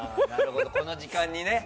この時間にね。